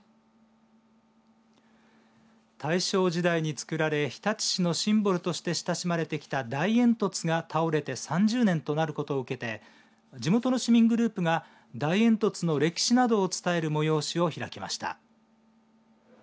大正時代に造られ日立市のシンボルとして親しまれてきた大煙突が倒れて３０年となることを受けて地元の市民グループが大煙突の歴史などを伝える催しを開きました。